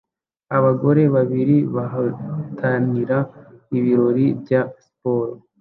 abagore babiri bahatanira ibirori bya siporo